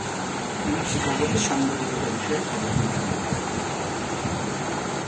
তিনি শিকাগোতে সাংবাদিকতা বিষয়ে পড়াশোনা শুরু করেন।